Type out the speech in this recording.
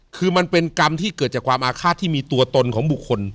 คือมันเป็นกรรมที่เกิดจากความอาฆาตที่มีตัวตนของบุคคล